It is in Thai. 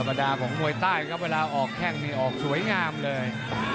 ประดาของมวยใต้ครับเวลาออกแข้งนี่ออกสวยงามเลย